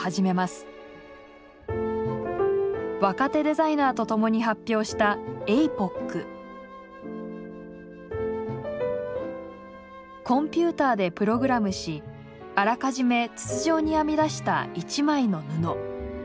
若手デザイナーと共に発表したコンピューターでプログラムしあらかじめ筒状に編み出した「一枚の布」。